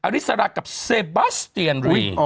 อริสระกับเซบาสเตียนรี